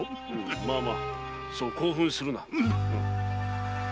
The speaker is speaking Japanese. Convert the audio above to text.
ままそう興奮するな。